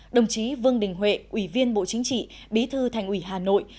đồng chí vương đình huệ ủy viên bộ chính trị bí thư thành ủy hà nội